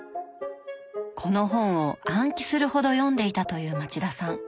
この本を暗記するほど読んでいたという町田さん。